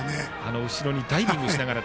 後ろにダイビングしながら。